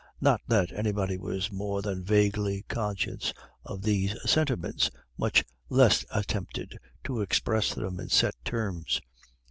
Not that anybody was more than vaguely conscious of these sentiments, much less attempted to express them in set terms.